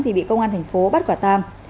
thì bị công an tp bắt quả tàng